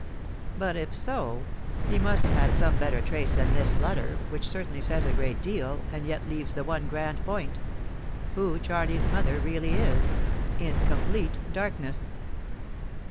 But, if so, he must have had some better trace than this letter, which certainly says a great deal, and yet leaves the one grand point—who Charley's mother really is—in complete darkness!